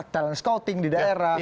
talent scouting di daerah